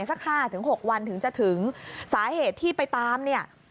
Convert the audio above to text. สักห้าถึงหกวันถึงจะถึงสาเหตุที่ไปตามเนี่ย